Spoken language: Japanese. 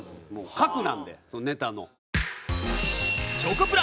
核なんでネタの。